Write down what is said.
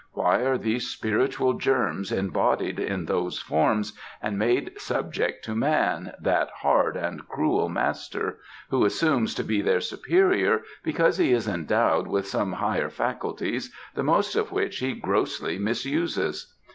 Why are these spiritual germs embodied in those forms and made subject to man, that hard and cruel master! who assumes to be their superior, because he is endowed with some higher faculties, the most of which he grossly misuses.